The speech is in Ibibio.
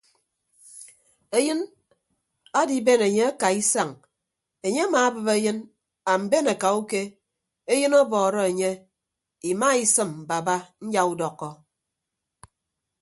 Eyịn adiben enye akaa isañ enye amaabịp eyịn amben akauke eyịn ọbọọrọ enye imaisịm baba nyaudọkkọ.